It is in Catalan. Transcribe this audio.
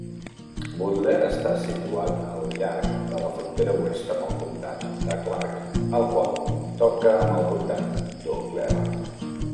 Butler està situat al llarg de la frontera oest amb el comtat de Clark, el qual toca amb el comtat d'Eau Claire.